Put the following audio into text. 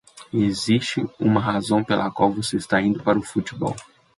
Existe uma razão pela qual você está indo para o futebol?